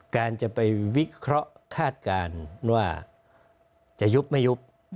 การจะไปวิเคราะห์คาดการณ์ว่าจะยุบไม่ยุบ